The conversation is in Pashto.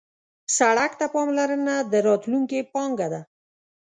سړک ته پاملرنه د راتلونکي پانګه ده.